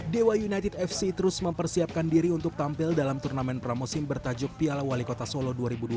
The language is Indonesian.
dewa united fc terus mempersiapkan diri untuk tampil dalam turnamen pramusim bertajuk piala wali kota solo dua ribu dua puluh